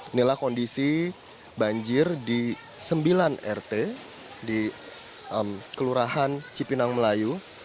inilah kondisi banjir di sembilan rt di kelurahan cipinang melayu